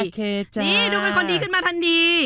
นี่ดูเป็นคนดีขึ้นมาทันที